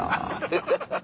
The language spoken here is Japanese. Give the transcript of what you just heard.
アハハハ。